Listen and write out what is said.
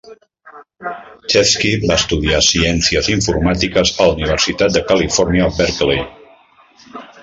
Chevsky va estudiar Ciències informàtiques a la Universitat de Califòrnia Berkeley.